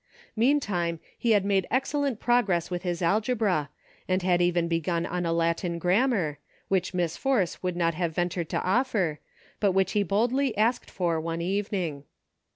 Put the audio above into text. Meantime, he had made excel lent progress with his algebra, and had even begun on a Latin grammar, which Miss Force would not have ventured to offer, but which he boldly asked for one evening.